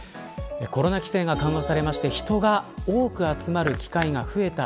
コロナ規制が緩和されて人が多く集まる機会が増えた